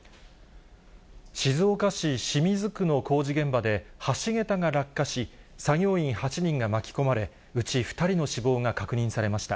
静岡市清水区の工事現場で橋桁が落下し、作業員８人が巻き込まれ、うち２人の死亡が確認されました。